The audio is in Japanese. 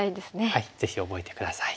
はいぜひ覚えて下さい。